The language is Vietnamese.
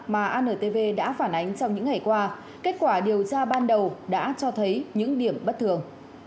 mà antv đã phản ánh trong những ngày qua kết quả điều tra ban đầu đã cho thấy những điểm bất thường